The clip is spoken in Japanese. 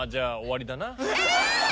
え！